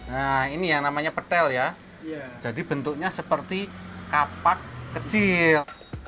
nah ini yang namanya petel ya jadi bentuknya seperti kapak kecil